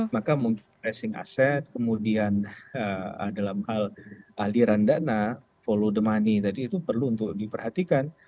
maka mungkin pricing aset kemudian dalam hal aliran dana follow the money tadi itu perlu untuk diperhatikan